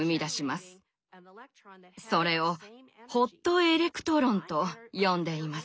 それを「ホットエレクトロン」と呼んでいます。